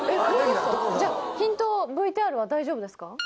じゃあヒントＶＴＲは大丈夫ですか？